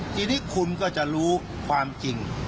ทีนี้คุณก็จะรู้ความจริง